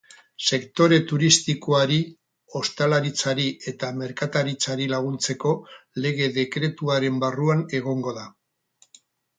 Sektore turistikoari, ostalaritzari eta merkataritzari laguntzeko lege-dekretuaren barruan egongo da.